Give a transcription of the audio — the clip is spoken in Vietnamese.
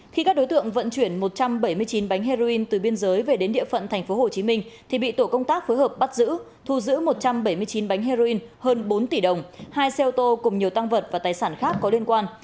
khi các đối tượng vận chuyển một trăm bảy mươi chín bánh heroin từ biên giới về đến địa phận tp hcm thì bị tổ công tác phối hợp bắt giữ thu giữ một trăm bảy mươi chín bánh heroin hơn bốn tỷ đồng hai xe ô tô cùng nhiều tăng vật và tài sản khác có liên quan